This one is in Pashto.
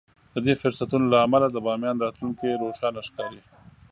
د دې فرصتونو له امله د باميان راتلونکی روښانه ښکاري.